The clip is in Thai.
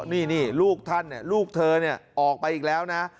นี่ลูกท่านลูกเธอออกไปอีกแล้วนะ